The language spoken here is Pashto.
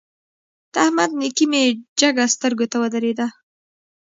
د احمد نېکي مې جګه سترګو ته ودرېده.